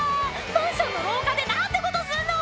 マンションの廊下で何てことするの！